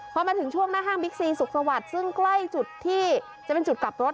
พอมาถึงช่วงหน้าห้างบิ๊กซีสุขสวัสดิ์ซึ่งใกล้จุดที่จะเป็นจุดกลับรถ